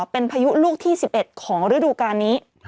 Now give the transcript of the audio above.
เป็นพายุลูกที่๑๑ของฤดูการนี้